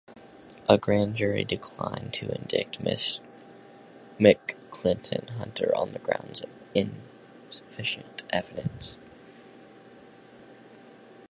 A grand jury declined to indict McClinton-Hunter on the grounds of insufficient evidence.